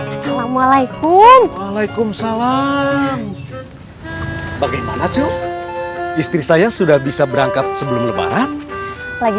assalamualaikum waalaikumsalam bagaimana yuk istri saya sudah bisa berangkat sebelum lebaran lagi